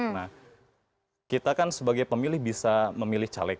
nah kita kan sebagai pemilih bisa memilih caleg